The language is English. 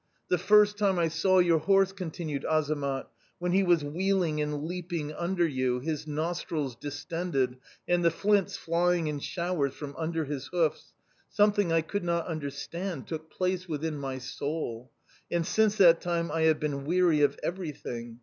"'The first time I saw your horse,' continued Azamat, 'when he was wheeling and leaping under you, his nostrils distended, and the flints flying in showers from under his hoofs, something I could not understand took place within my soul; and since that time I have been weary of everything.